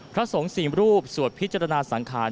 พระสงฆ์๔รูปสวดพิจารณาสังขาร